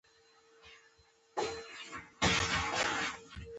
د ټولنيز نظام بنسټ د انسانانو ترمنځ د تړون په ډول رامنځته سوی دی